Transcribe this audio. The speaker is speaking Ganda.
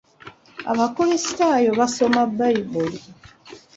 Abakrisitaayo basoma bbayibuli.